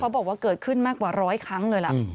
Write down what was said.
บอกว่าเกิดขึ้นมากกว่าร้อยครั้งเลยล่ะ